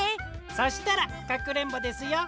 そしたらかくれんぼですよ。